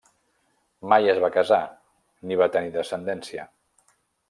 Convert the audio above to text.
Mai es va casar, ni va tenir descendència.